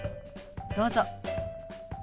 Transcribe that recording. どうぞ。